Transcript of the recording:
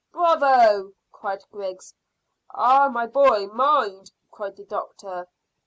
"Bravo!" cried Griggs. "Ah, my boy! Mind!" cried the doctor.